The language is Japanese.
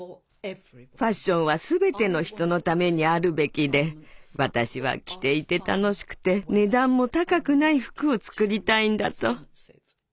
「ファッションはすべての人のためにあるべき」で「私は着ていて楽しくて値段も高くない服を作りたいんだ」と。